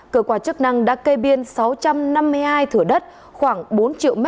cơ quan chức năng đã kê biên sáu trăm năm mươi hai thửa đất khoảng bốn triệu m hai